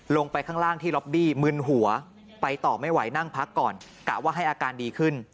ลงไปข้างล่างที่ล็อบบี้มึนหัวไปต่อไม่ไหวนั่งพักก่อนกะว่าให้อาการดีขึ้น